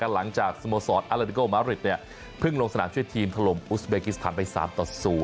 หลังจากสโมสอร์ดอัลเลนิโก้มาริตเพิ่งลงสนามช่วยทีมทะลมอุสเบกิสทันไป๓ต่อ๐